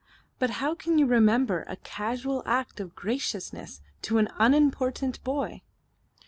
But how can you remember a casual act of graciousness to an unimportant boy?"